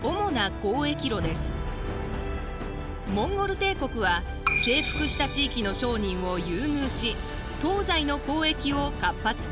モンゴル帝国は征服した地域の商人を優遇し東西の交易を活発化。